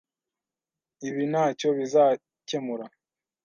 Ibi ntacyo bizakemura.